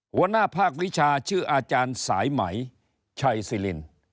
หัวหน้าภาควิชาชื่ออาจารย์สายไหมชัยสิริน